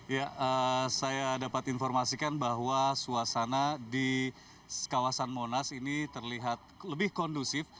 ya saya dapat informasikan bahwa suasana di kawasan monas ini terlihat lebih kondusif